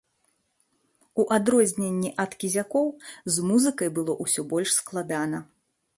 У адрозненні ад кізякоў, з музыкай было ўсё больш складана.